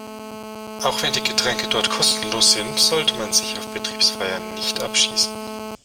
Auch wenn die Getränke dort kostenlos sind, sollte man sich auf Betriebsfeiern nicht abschießen.